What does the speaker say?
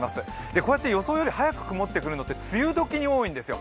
こうやって予想より早く曇ってくるのって梅雨時に多いんですよ。